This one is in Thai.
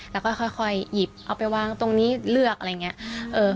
แล้วก็ค่อยหยิบเอาไปวางตรงนี้เลือกอะไรอย่างนี้